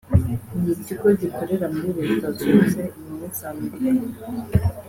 ni ikigo gikorera muri Leta Zunze Ubumwe z’Amerika